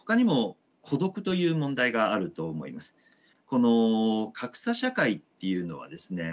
この格差社会っていうのはですね